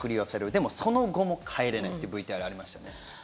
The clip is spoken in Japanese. でもその後も帰れないとＶＴＲにありました。